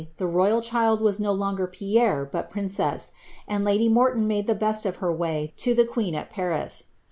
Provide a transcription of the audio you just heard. the royal child was no longer ^ Pierre'' but ^ princess ;" and lady Hop ton made the best of her way to the queen at Paris.